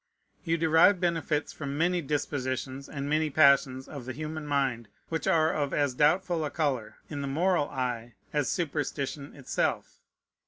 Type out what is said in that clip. You derive benefits from many dispositions and many passions of the human mind which are of as doubtful a color, in the moral eye, as superstition itself.